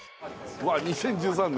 うわ２０１３年。